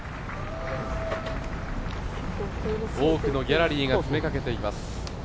多くのギャラリーが詰めかけています。